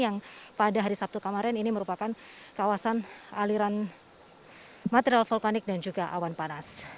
yang pada hari sabtu kemarin ini merupakan kawasan aliran material vulkanik dan juga awan panas